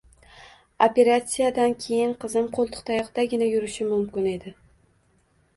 Operasiyadan keyin qizim qo`ltiqtayoqdagina yurishi mumkin edi